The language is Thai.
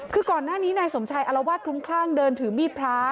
คือก่อนหน้านี้นายสมชัยอารวาสคลุ้มคลั่งเดินถือมีดพระ